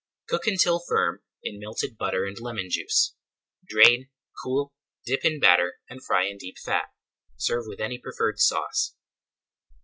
Cook until firm in melted butter and lemon juice. Drain, cool, dip in batter, and fry in deep fat. Serve with any preferred sauce.